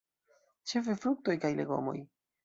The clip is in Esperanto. Ĉefe fruktoj kaj legomoj.